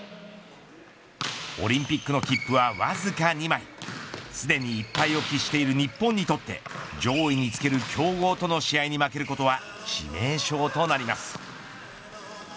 オリンピックが切符はわずか２枚すでに１敗を喫している日本にとって上位につける強豪との試合に負けることは致命傷となります。